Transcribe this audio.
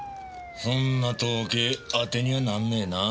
そんな統計あてにはなんねえなぁ。